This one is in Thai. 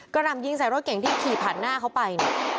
หนำยิงใส่รถเก่งที่ขี่ผ่านหน้าเขาไปเนี่ย